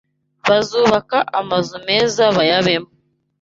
Bazubaka amazu meza bayabemo